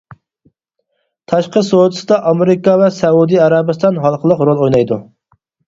تاشقى سودىسىدا ئامېرىكا ۋە سەئۇدى ئەرەبىستان ھالقىلىق رول ئوينايدۇ.